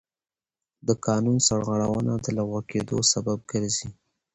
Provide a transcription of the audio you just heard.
د قانون سرغړونه د لغوه کېدو سبب ګرځي.